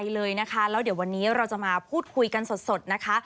เลยนะคะแล้วเดี๋ยววันนี้เราจะมาพูดคุยกันสดนะคะ